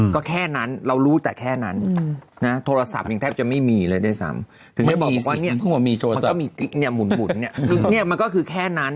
ก็แค่นั้นเรารู้แต่แค่นั้นนะโทรศัพท์ยังแทบจะไม่มีเลยด้วยซ้ำถึงจะบอกว่าเนี่ยมันก็คือแค่นั้น